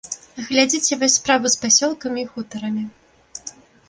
Глядзіце вось справу з пасёлкамі і хутарамі.